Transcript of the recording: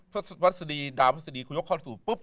พระศัตริย์ดาวพระศัตริย์คุยกข้อสู่ปุ๊บ